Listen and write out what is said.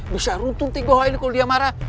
bisa rutun tiga hari ini kalau dia marah